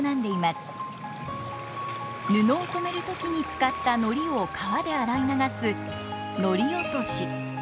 布を染める時に使った糊を川で洗い流す糊落とし。